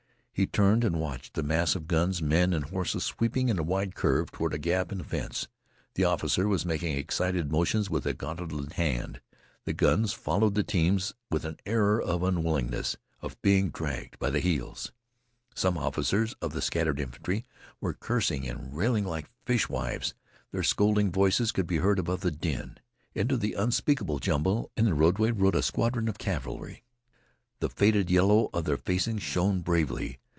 He turned and watched the mass of guns, men, and horses sweeping in a wide curve toward a gap in a fence. The officer was making excited motions with a gauntleted hand. The guns followed the teams with an air of unwillingness, of being dragged by the heels. Some officers of the scattered infantry were cursing and railing like fishwives. Their scolding voices could be heard above the din. Into the unspeakable jumble in the roadway rode a squadron of cavalry. The faded yellow of their facings shone bravely.